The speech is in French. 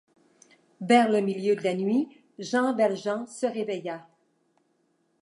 Vers le milieu de la nuit, Jean Valjean se réveilla.